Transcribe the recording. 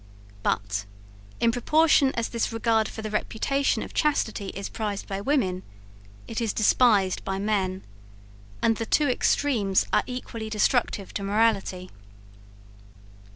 But, in proportion as this regard for the reputation of chastity is prized by women, it is despised by men: and the two extremes are equally destructive to morality.